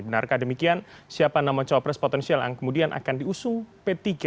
benarkah demikian siapa nama cawapres potensial yang kemudian akan diusung p tiga